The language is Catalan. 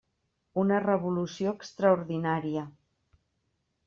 Una revolució extraordinària.